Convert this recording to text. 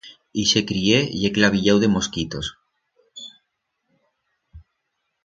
Ixe criet ye clavillau de mosquitos.